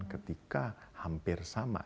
ketika hampir sama